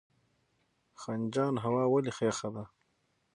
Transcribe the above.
خنجان هوا ولې یخه ده؟